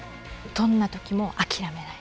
どんな時も諦めない。